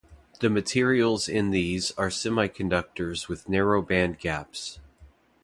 The materials in these are semiconductors with narrow band gaps.